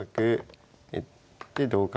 で同角。